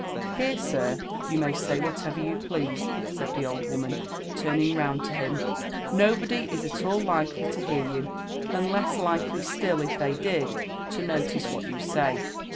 '' Here, sir, you may say whatever you please," said the old wo man, turning round to him; ''nobody is at all likely to bear you, and less likely still, if they did, to notice what you say."